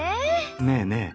ねえねえ。